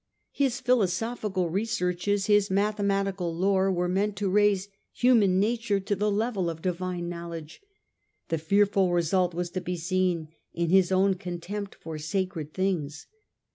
His philosophical researches, his mathematical lore, were meant to raise human nature to the level of divine knowledge. The fearful result was to be seen in his own contempt for sacred things.